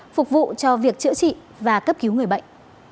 phục vụ cho việc chữa trị và cấp cứu người bệnh